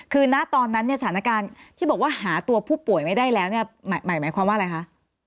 คือณตอนนั้นเนี่ยสถานการณ์ที่บอกว่าหาตัวผู้ป่วยไม่ได้แล้วเนี่ยหมายความว่าอะไรคะ